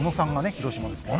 広島ですからね。